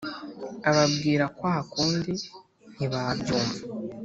ababwira kwa kundi, ntibabyumva